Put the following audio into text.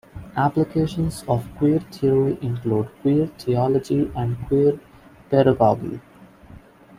Applications of queer theory include queer theology and queer pedagogy.